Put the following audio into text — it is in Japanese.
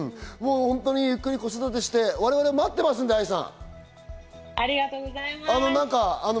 ゆっくり子育てして、我々、待ってますんで、愛さん。